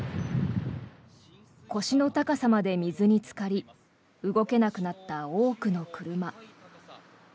腰の高さまで水につかり動けなくなった多くの車。